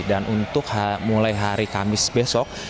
dan untuk mulai hari kamis besok